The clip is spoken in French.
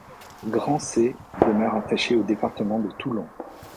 Grancey demeure attaché au département de Toulon.